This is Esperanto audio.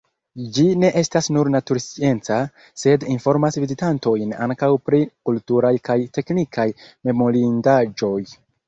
Ĝi ne estas nur naturscienca, sed informas vizitantojn ankaŭ pri kulturaj kaj teknikaj memorindaĵoj.